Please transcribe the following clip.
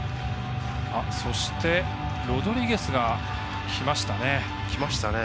そして、ロドリゲスがきました。